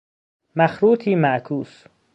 مخروطی معکوس